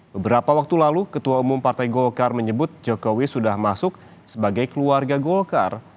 beberapa waktu lalu ketua umum partai golkar menyebut jokowi sudah masuk sebagai keluarga golkar